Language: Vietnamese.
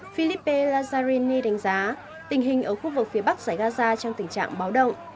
philippe lazzarini đánh giá tình hình ở khu vực phía bắc giải gaza trong tình trạng báo động